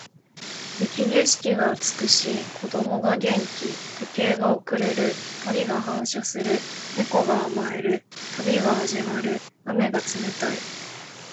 雪景色が美しい。子供が元気。時計が遅れる。光が反射する。猫が甘える。旅が始まる。雨が冷たい。